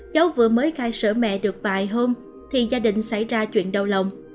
cháu vừa mới khai sửa mẹ được vài hôm thì gia đình xảy ra chuyện đau lòng